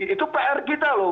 itu pr kita loh